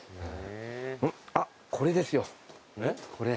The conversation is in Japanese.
あっこれですよこれ。